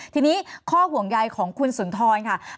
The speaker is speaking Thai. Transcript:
ทีนี้ข้อห่วงใยของคุณสุนทรค่ะ